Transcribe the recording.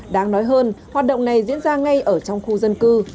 đáng nói hơn hoạt động này diễn ra ngay ở trong khu dân cư